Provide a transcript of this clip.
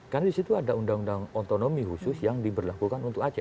karena di situ ada undang undang otonomi khusus yang diberlakukan untuk aceh